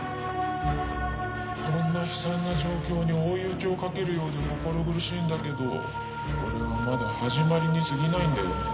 こんな悲惨な状況に追い打ちをかけるようで心苦しいんだけどこれはまだ始まりにすぎないんだよね